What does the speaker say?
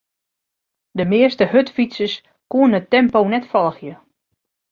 De measte hurdfytsers koene it tempo net folgje.